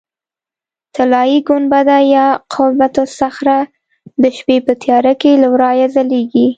طلایي ګنبده یا قبة الصخره د شپې په تیاره کې له ورایه ځلېږي.